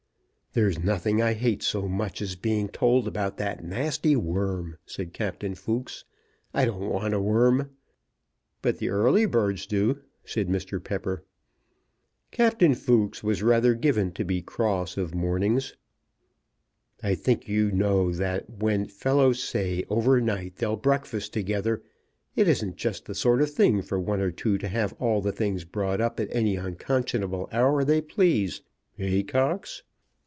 "There's nothing I hate so much as being told about that nasty worm," said Captain Fooks. "I don't want a worm." "But the early birds do," said Mr. Pepper. Captain Fooks was rather given to be cross of mornings. "I think, you know, that when fellows say over night they'll breakfast together, it isn't just the sort of thing for one or two to have all the things brought up at any unconscionable hour they please. Eh, Cox?"